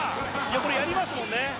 これやりますもんね